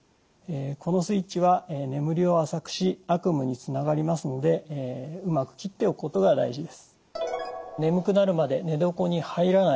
このスイッチは眠りを浅くし悪夢につながりますのでうまくきっておくことが大事です。